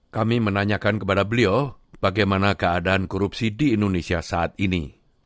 kami menanyakan kepada beliau bagaimana keadaan korupsi di indonesia saat ini